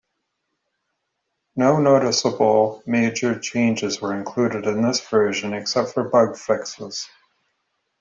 No notable major changes were included in this version except for bug fixes.